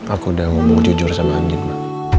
aku udah ngomong jujur sama andin ma